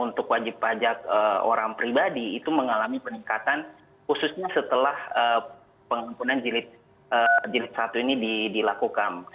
untuk wajib pajak orang pribadi itu mengalami peningkatan khususnya setelah pengampunan jilid satu ini dilakukan